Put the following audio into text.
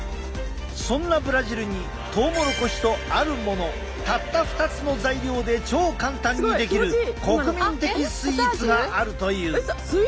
そんなブラジルにトウモロコシとあるものたった２つの材料で超簡単に出来る国民的スイーツがあるという。